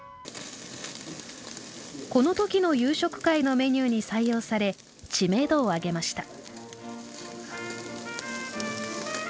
この時の夕食会のメニューに採用され知名度を上げました。